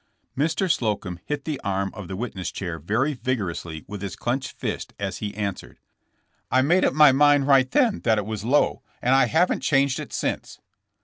Mr. Slocum hit the arm of the witness chair very vigorously with his clinched fist as he answered : *'I made up my mind right then that it was Lowe, and I haven't changed it since."